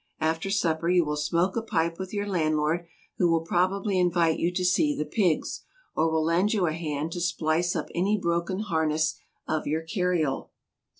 After supper you will smoke a pipe with your landlord, who will probably invite you to see the pigs, or will lend you a hand to splice up any broken harness of your carriole.